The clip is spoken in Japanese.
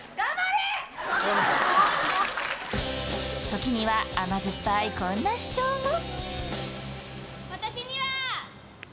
時には甘酸っぱいこんな主張も。